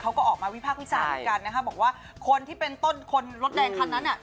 เขาก็ออกมาวิพากษ์วิจารณ์เหมือนกันนะคะบอกว่าคนที่เป็นต้นคนรถแดงคันนั้น